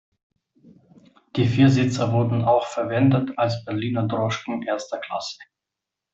Die Viersitzer wurden auch verwendet als Berliner Droschken erster Klasse.